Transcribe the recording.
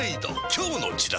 今日のチラシで